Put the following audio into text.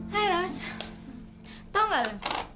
hai ros tau gak lu